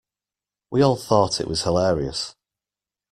We all thought it was hilarious.